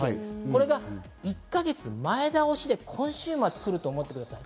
これが１か月前倒しで今週末、来ると思ってください。